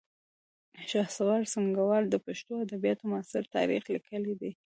شهسوار سنګروال د پښتو ادبیاتو معاصر تاریخ لیکلی دی